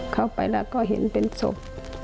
เข้าไปแล้วก็เห็นเป็นศพ